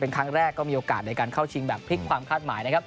เป็นครั้งแรกมีโอกาสในการเข้าชิงแบบพลิกข้าวคาดหมาย